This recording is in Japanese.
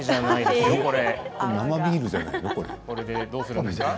生ビールじゃないの？